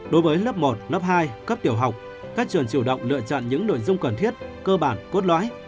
đối với lớp một lớp hai cấp tiểu học các trường chủ động lựa chọn những nội dung cần thiết cơ bản cốt lõi